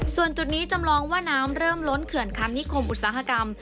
ส่วนจุดนี้จำลองว่าน้ำเริ่มล้นเขื่อนคำนิคมอุตสาหกรรม